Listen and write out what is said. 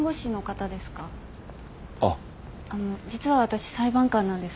あの実は私裁判官なんです。